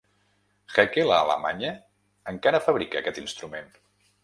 Heckel, a Alemanya, encara fabrica aquest instrument.